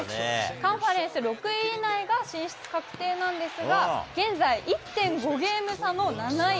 カンファレンス６位以内が進出確定なんですが、現在、１．５ゲーム差の７位。